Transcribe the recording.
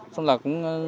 xong là cũng